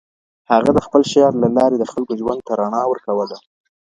هغه د خپل شعر له لارې د خلکو ژوند ته رڼا ورکوله.